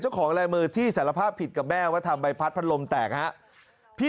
เจ้าของลายมือที่สารภาพผิดกับแม่ว่าทำใบพัดพัดลมแตกฮะพี่